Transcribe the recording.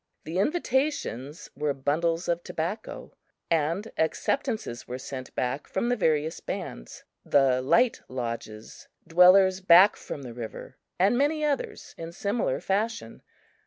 The invitations were bundles of tobacco, and acceptances were sent back from the various bands the "Light Lodges", "Dwellers back from the River," and many others, in similar fashion.